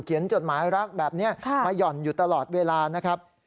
จดหมายรักแบบนี้มาหย่อนอยู่ตลอดเวลานะครับ